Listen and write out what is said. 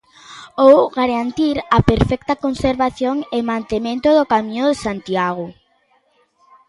Ou garantir a perfecta conservación e mantemento do Camiño de Santiago.